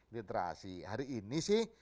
literasi hari ini sih